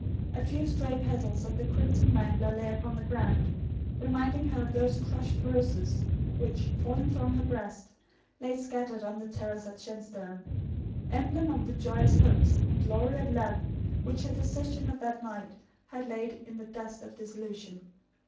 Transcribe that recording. A few stray petals of the crimson rambler lay upon the ground; reminding her of those crushed roses, which, falling from her breast, lay scattered on the terrace at Shenstone, emblem of the joyous hopes and glory of love which her decision of that night had laid in the dust of disillusion.